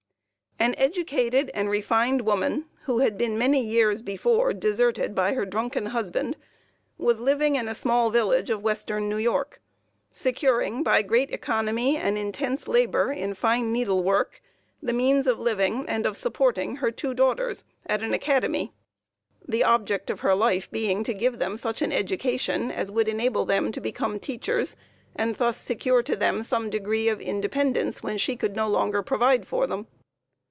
An educated and refined woman, who had been many years before deserted by her drunken husband, was living in a small village of Western New York, securing, by great economy and intense labor in fine needle work, the means of living, and of supporting her two daughters at an academy, the object of her life being to give them such an education as would enable them to become teachers, and thus secure to them some degree of independence when she could no longer provide for them.